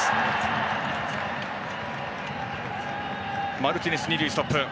マルティネス、二塁でストップ。